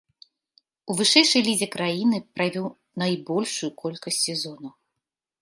У вышэйшай лізе краіны правёў найбольшую колькасць сезонаў.